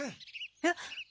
えっ？